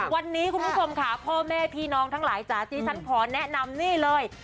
วันนี้คุณผู้ชมค่ะพ่อแม่พี่น้องทั้งหลายจ๋าที่ฉันขอแนะนำนี่เลย